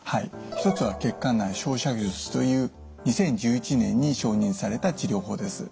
一つは血管内焼灼術という２０１１年に承認された治療法です。